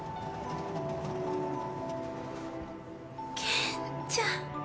健ちゃん。